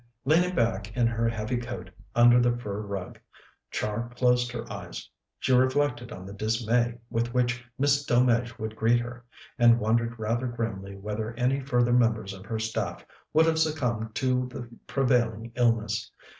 Leaning back in her heavy coat, under the fur rug, Char closed her eyes. She reflected on the dismay with which Miss. Delmege would greet her, and wondered rather grimly whether any further members of her staff would have succumbed to the prevailing illness.